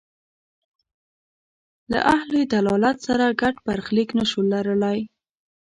له اهل ضلالت سره ګډ برخلیک نه شو لرلای.